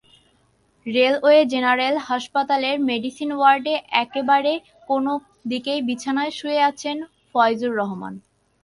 Railway general হাসপাতালের medicine ওয়ার্ডের একেবারে কোনার দিকের বিছানায় শুয়ে আছেন ফয়জুর রহমান।